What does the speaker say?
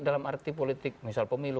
dalam arti politik misal pemilu